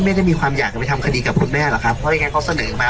ไม่ได้มีความอยากจะไปทำคดีกับคุณแม่หรอกครับเพราะยังไงเขาเสนอมา